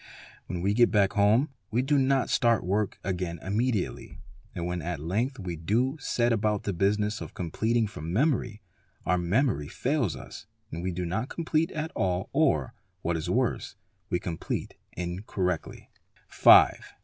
When we get — back home we do not start work again immediately and when at length — we do set about the business "of completing from memory'', our memory fails us and we do not complete at all or, what 1s worse, we "aa incorrectly 8, ¢ 5.